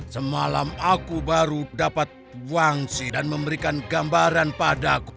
semalam aku baru dapat wangsi dan memberikan gambaran padaku